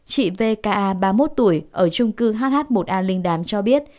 chị vka ba mươi một tuổi ở trung cư hh một a linh đàm cho biết